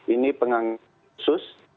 ini pengangkutan khusus